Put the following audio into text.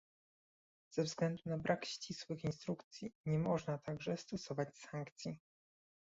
Ze względu na brak ścisłych instrukcji nie można także stosować sankcji